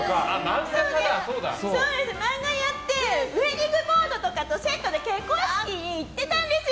漫画やってウェディングボードとかとセットで結婚式に行ってたんですよ。